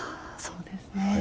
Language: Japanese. そうですね